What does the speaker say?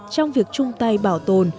trong việc chung tay bảo tồn